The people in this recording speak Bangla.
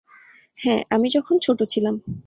হ্যাঁ, আমি যখন ছোট ছিলাম।